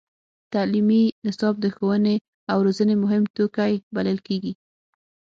تعلیمي نصاب د ښوونې او روزنې مهم توکی بلل کېږي.